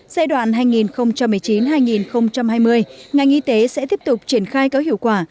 giai đoạn hai nghìn một mươi chín hai nghìn hai mươi ngành y tế sẽ tiếp tục triển khai có hiệu quả